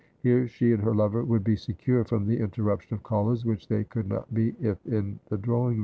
Here she and her lover would be secure from the interruption of callers, which they could not be if in the drawing room.